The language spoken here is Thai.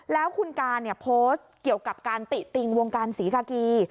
แล้วคุณการโพสต์เกี่ยวกับการติติงวงการศรีกากี